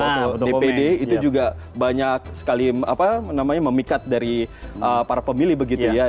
kalau dpd itu juga banyak sekali memikat dari para pemilih begitu ya